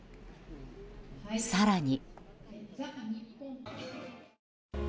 更に。